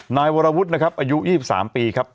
นายวรวุฒินะครับอายุ๒๓ปีครับ